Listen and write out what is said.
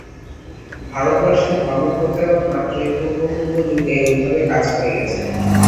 ভারতবর্ষের ধর্মপ্রচারক মাত্রই পূর্ব পূর্ব যুগে ঐভাবে কাজ করে গেছেন।